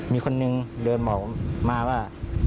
มีคนนึงเดินบอกมาว่า